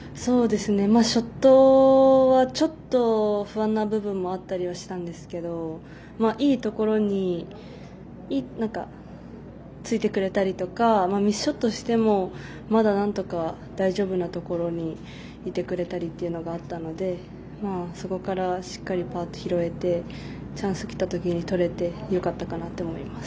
ショットはちょっと不安な部分もあったりはしたんですけどいいところについてくれたりとかミスショットしてもまだなんとか大丈夫なところにいてくれたりというのがあったのでそこからすごく拾えてチャンスきたときにとれてよかったと思います。